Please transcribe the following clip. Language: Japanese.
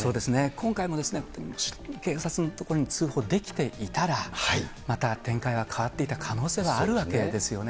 今回ももちろん、警察のところに通報できていたら、また展開は変わっていた可能性はあるわけですよね。